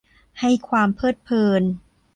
ให้ความเพลิดเพลิน